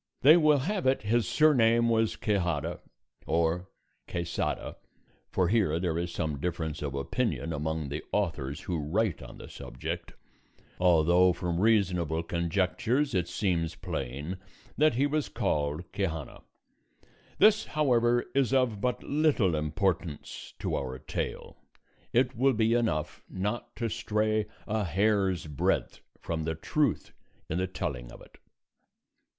They will have it his surname was Quixada or Quesada (for here there is some difference of opinion among the authors who write on the subject), although from reasonable conjectures it seems plain that he was called Quixana. This, however, is of but little importance to our tale; it will be enough not to stray a hair's breadth from the truth in the telling of it.